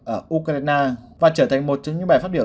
ở ukraine và trở thành một trong những bài phát biểu